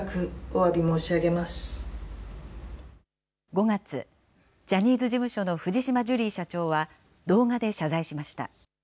５月、ジャニーズ事務所の藤島ジュリー社長は、動画で謝罪しました。